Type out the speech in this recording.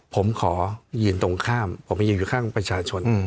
ผมขอยืนตรงข้ามผมไปยืนอยู่ข้างประชาชน